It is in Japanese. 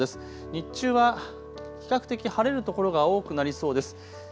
日中は比較的晴れる所が多くなりそうです。